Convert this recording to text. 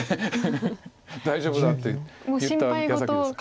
大丈夫だって言った矢先です。